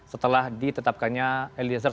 setelah ditetapkannya eliezer